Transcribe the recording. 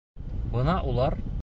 Бына улар: